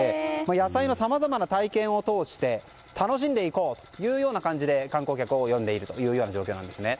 野菜のさまざまな体験を通して楽しんでいこうという感じで観光客を呼んでいるんですね。